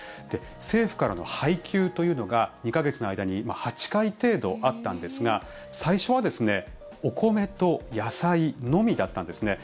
政府からの配給というのが２か月の間に８回程度あったんですが最初はお米と野菜のみだったんですね。